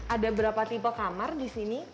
ada berapa tipe kamar di sini